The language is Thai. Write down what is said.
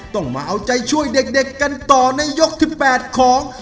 ต้องมาเอาใจช่วยเด็กกันต่อในยกที่๘ของ